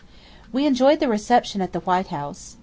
We enjoyed the reception at the White House.